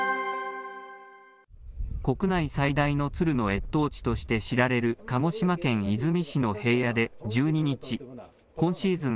国内最大の鶴の越冬地として知られる鹿児島県出水市の平野で１２日、今シーズン